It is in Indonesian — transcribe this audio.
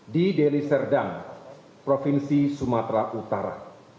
di deliserdang provinsi sumatera utara